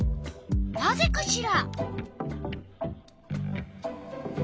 なぜかしら？